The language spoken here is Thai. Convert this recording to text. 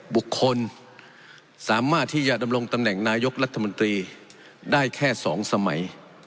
บุคคลสามารถที่จะดำรงตำแหน่งนายกรัฐมนตรีได้แค่๒สมัย